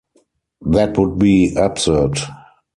That would be absurd.